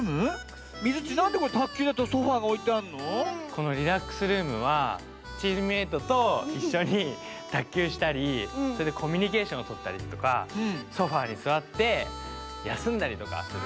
このリラックスルームはチームメートといっしょにたっきゅうしたりそれでコミュニケーションをとったりとかソファーにすわってやすんだりとかそういうおへやになってます。